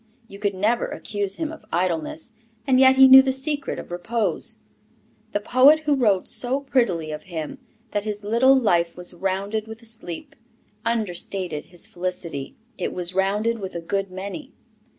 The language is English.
You could never accuse him of idleness, and yet he knew the secret of repose. The poet who wrote so prettily of him that his little life was rounded with a sleep, understated his felicity; it was rounded with a good many.